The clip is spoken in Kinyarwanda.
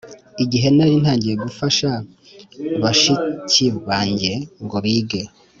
igihe nari ntangiye gufasha bashiki bange ngo bige